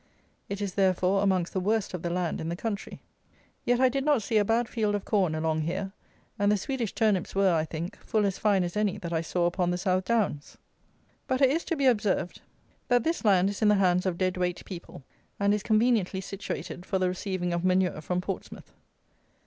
It is therefore amongst the worst of the land in the country. Yet I did not see a bad field of corn along here, and the Swedish turnips were, I think, full as fine as any that I saw upon the South Downs. But it is to be observed that this land is in the hands of dead weight people, and is conveniently situated for the receiving of manure from Portsmouth.